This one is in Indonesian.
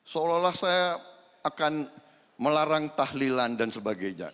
seolah olah saya akan melarang tahlilan dan sebagainya